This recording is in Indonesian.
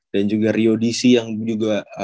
dan juga rio dc yang juga